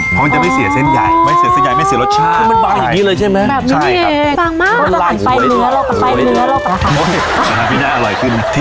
เพราะมันจะไม่เสียเส้นใยไม่เสียรสชาติ